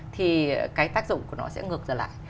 thì cái tác dụng của nó sẽ ngược ra lại